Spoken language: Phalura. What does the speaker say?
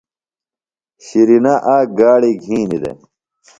شِرینہ آک گاڑیۡ گِھینیۡ دےۡ۔